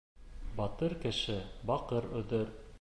Батыр кеше баҡыр өҙөр.